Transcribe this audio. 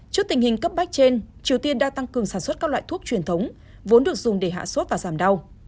trước tình hình cấp bách trên triều tiên đã tăng cường sản xuất các loại thuốc truyền thống vốn được dùng để hạ sốt và giảm đau